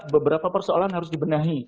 beberapa persoalan harus dibenahi